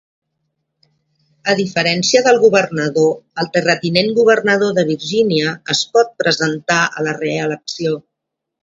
A diferència del governador, el terratinent governador de Virgínia es pot presentar a la reelecció.